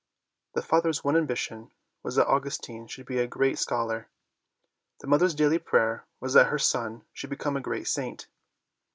The father's one ambition was that Augustine should be a great scholar : the mother's daily prayer was that her son should become a great saint.